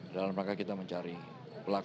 dalam rangka kita mencari pelaku